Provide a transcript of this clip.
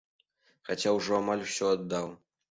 Хаця ўжо амаль усё аддаў.